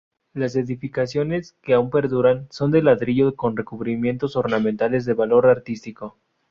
Las edificaciones, que aún perduran, son de ladrillo con recubrimientos ornamentales de valor artístico.